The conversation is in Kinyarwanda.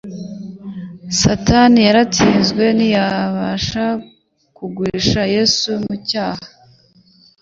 Satani yaratsinzwe ntiyabasha kugusha Yesu mu cyaha,